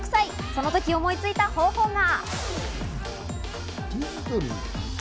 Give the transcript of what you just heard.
その時思いついた方法が。